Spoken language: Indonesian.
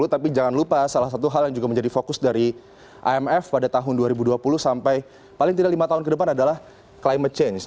tapi jangan lupa salah satu hal yang juga menjadi fokus dari imf pada tahun dua ribu dua puluh sampai paling tidak lima tahun ke depan adalah climate change